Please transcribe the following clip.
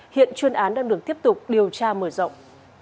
hiện chuyên án đang được tiếp tục điều tra mở rộng